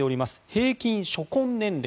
平均初婚年齢